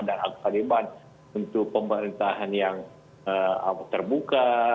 dan agak saling bahan untuk pemerintahan yang terbuka